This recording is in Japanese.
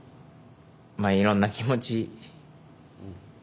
いろんな気持ち。